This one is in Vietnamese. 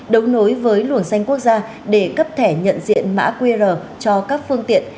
đấu nối với luồng xanh quốc gia để cấp thẻ nhận diện mã qr cho các phương tiện